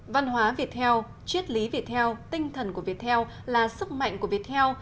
văn hóa việt heo triết lý việt heo tinh thần của việt heo là sức mạnh của việt heo